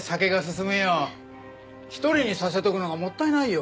一人にさせとくのがもったいないよ。